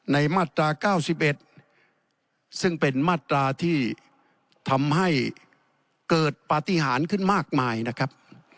มาตรา๙๑ซึ่งเป็นมาตราที่ทำให้เกิดปฏิหารขึ้นมากมายนะครับ